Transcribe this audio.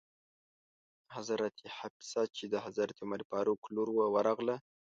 حضرت حفصه چې د حضرت عمر فاروق لور وه ورغله.